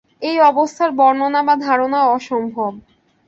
এই অবস্থার বর্ণনা বা ধারণাও অসম্ভব।